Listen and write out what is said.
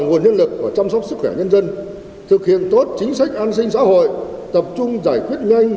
nguồn nhân lực và chăm sóc sức khỏe nhân dân thực hiện tốt chính sách an sinh xã hội tập trung giải quyết nhanh